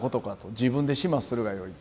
自分で始末するがよい。